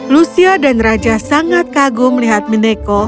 lucia dan raja sangat kagum melihat mineko